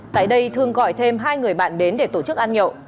tại đây thương gọi thêm hai người bạn đến để tổ chức ăn nhậu